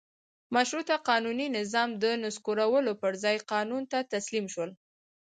مشروطه قانوني نظام د نسکورولو پر ځای قانون ته تسلیم شول.